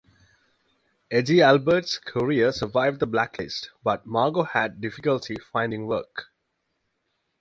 Eddie Albert's career survived the blacklist but Margo had difficulty finding work.